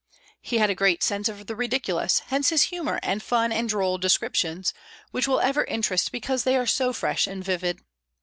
He had a great sense of the ridiculous; hence his humor and fun and droll descriptions, which will ever interest because they are so fresh and vivid.